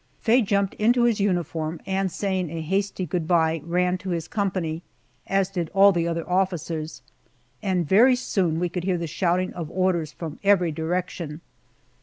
Faye jumped into his uniform, and saying a hasty good by, ran to his company, as did all the other officers, and very soon we could hear the shouting of orders from every direction.